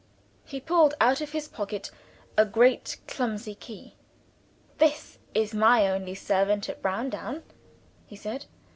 He pulled out of his pocket a great clumsy key. "This is my only servant at Browndown," he said.